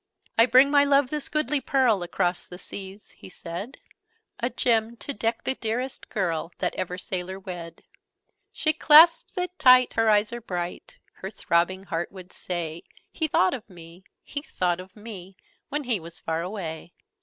'I bring my Love this goodly pearl Across the seas,' he said: 'A gem to deck the dearest girl That ever sailor wed!' She clasps it tight: her eyes are bright: Her throbbing heart would say 'He thought of me he thought of me When he was far away!'